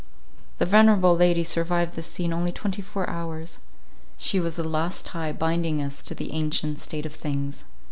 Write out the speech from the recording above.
The venerable lady survived this scene only twenty four hours. She was the last tie binding us to the ancient state of things.